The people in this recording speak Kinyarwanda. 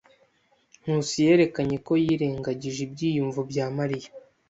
Nkusi yerekanye ko yirengagije ibyiyumvo bya Mariya.